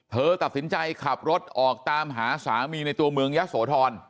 เธอตัดสินใจขับรถออกตามหาสามีในตัวเมืองยะโสธร